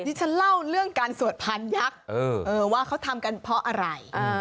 ที่ฉันเล่าเรื่องการสวดพานยักษ์ว่าเขาทำกันเพราะอะไร